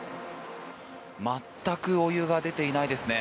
全くお湯が出ていないですね。